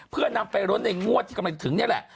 เพื่อนำไปร้นในงวดที่กำลังจะถึงนี่แหละ